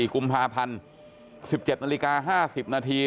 ๔กุมภาพันธ์๑๗นาฬิกา๕๐นาที